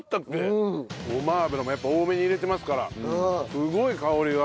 ごま油もやっぱり多めに入れてますからすごい香りが。